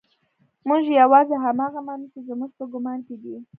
موږ يوازې هماغه منو چې زموږ په ګمان کې دي.